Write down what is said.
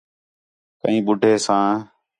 کئیں ٻُڈّھے ساں